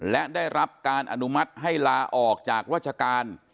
และได้รับการอนุมัติให้ลาออกจากราชการ